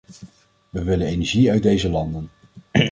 We willen energie uit deze landen.